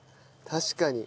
確かに。